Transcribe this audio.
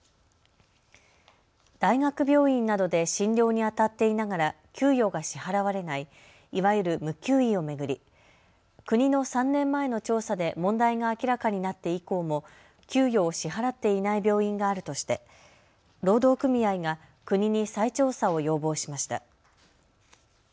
大学病院などで診療にあたっていながら給与が支払われないいわゆる無給医を巡り国の３年前の調査で問題が明らかになって以降も給与を支払っていない病院があるとして労働組合が国に再調査を要望しました。